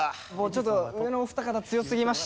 ちょっと上のお二方強すぎましたね。